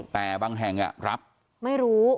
แต่บางแห่งรับไม่รู้